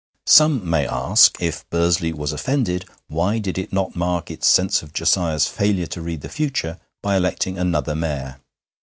Some may ask: If Bursley was offended, why did it not mark its sense of Josiah's failure to read the future by electing another Mayor?